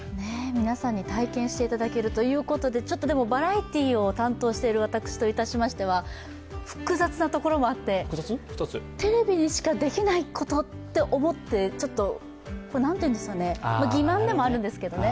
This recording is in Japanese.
皆さんに体験していただけるということででもバラエティーを担当している私としましては複雑なところもあって、テレビにしかできないことと思ってちょっと、なんていうんですか、欺瞞でもあるんですけどね。